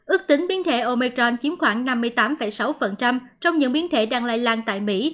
ước tính biến thể omecron chiếm khoảng năm mươi tám sáu trong những biến thể đang lây lan tại mỹ